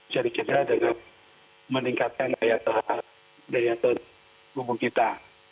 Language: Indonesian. jadi kita harus meningkatkan daya tahan hubung kita